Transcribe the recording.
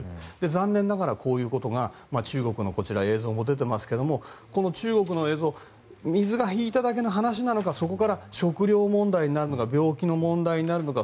残念ながら、こういうことが中国の映像も出ていますがこの中国の映像は水が引いただけの話なのかそこから食糧問題になるのか病気の問題になるのか